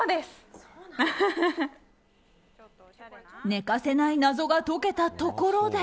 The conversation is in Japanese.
寝かせない謎が解けたところで。